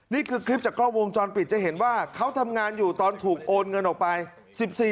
นี่คือคลิปจากกล้องวงจรปิดจะเห็นว่าเขาทำงานอยู่ตอนถูกโอนเงินออกไป